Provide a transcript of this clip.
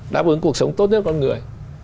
đáp ứng cuộc sống tốt nhất con người